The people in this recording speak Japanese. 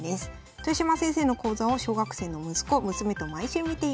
「豊島先生の講座を小学生の息子・娘と毎週見ています。